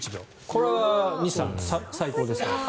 これは西さん、最高ですか。